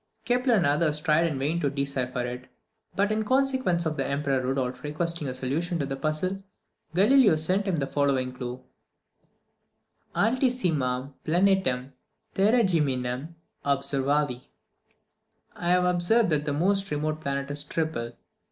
Kepler and others tried in vain to decipher it; but in consequence of the Emperor Rodolph requesting a solution of the puzzle, Galileo sent him the following clue: "Altissimam planetam tergeminam observavi." I have observed that the most remote planet is triple.